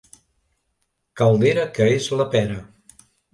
Caldera que és la pera.